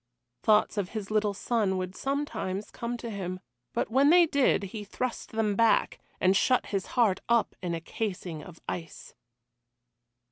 Thoughts of his little son would sometimes come to him, but when they did he thrust them back, and shut his heart up in a casing of ice.